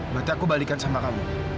berarti aku balikin sama kamu